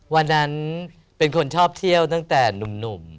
วันนั้นเป็นคนชอบเที่ยวตั้งแต่หนุ่ม